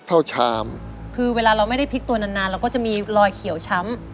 ชามคือเวลาเราไม่ได้พลิกตัวนานนานเราก็จะมีรอยเขียวช้ำ